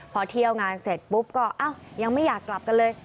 พอเที่ยวงานเสร็จปุ๊บก็ยังไม่อยากกลับกันเลย